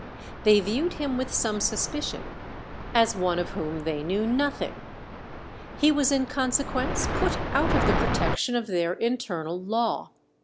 They viewed him with some suspicion, as one of whom they knew nothing. He was in consequence put out of the protection of their internal law."